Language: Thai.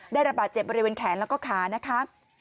ระบาดเจ็บบริเวณแขนแล้วก็ขานะคะ